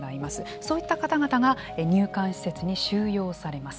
そういった方々が入管施設に収容されます。